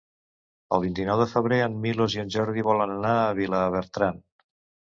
El vint-i-nou de febrer en Milos i en Jordi volen anar a Vilabertran.